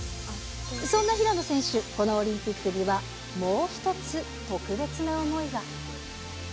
そんな平野選手、このオリンピックにはもう一つ特別な思いが。